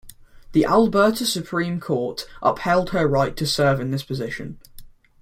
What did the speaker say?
The Alberta Supreme Court upheld her right to serve in this position.